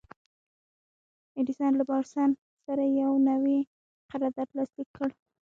ايډېسن له بارنس سره يو نوی قرارداد لاسليک کړ.